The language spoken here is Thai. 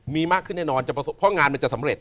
มีมากขึ้นแน่นอนเพราะงานมันจะสำเร็จ